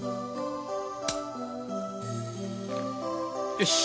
よし。